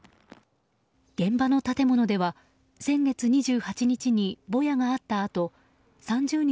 現場の建物では先月２８日にぼやがあったあと３０日